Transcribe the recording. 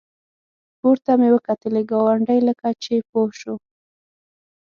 پورته مې وکتلې ګاونډی لکه چې پوه شو.